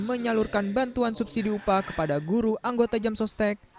menyalurkan bantuan subsidi upah kepada guru anggota jam sostek